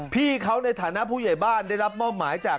พี่เขาในฐานะผู้ใหญ่บ้านได้รับมอบหมายจาก